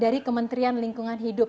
dari kementerian lingkungan hidup